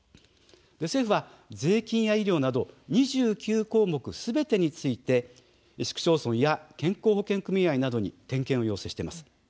政府は税金や医療など２９項目すべてについて市区町村や健康保険組合などに点検を要請しています。